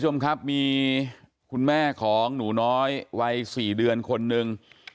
มีคุณแม่ของหนูน้อยวัย๔เดือนคนหนึ่ง